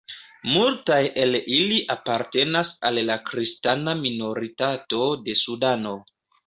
Multaj el ili apartenas al la kristana minoritato de Sudano.